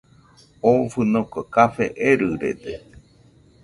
Oo fɨnoka café erɨrede